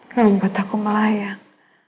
kamu buat aku melayang